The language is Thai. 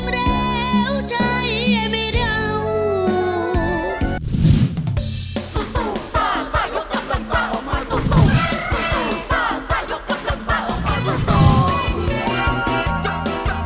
ร้องได้ยกกำลังทรา